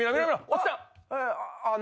落ちた？